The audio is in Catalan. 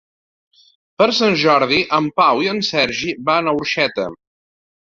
Per Sant Jordi en Pau i en Sergi van a Orxeta.